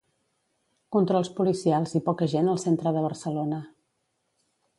Controls policials i poca gent al centre de Barcelona.